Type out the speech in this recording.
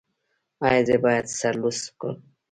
ایا زه باید سر لوڅ کړم؟